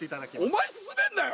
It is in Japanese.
お前進めんなよ